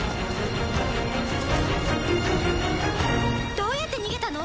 どうやって逃げたの？